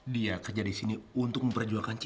dia kerja di sini untuk memperjuangkan